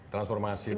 transformasi itu kan